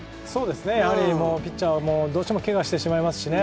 やはりピッチャーはどうしてもけがしてしまいますしね。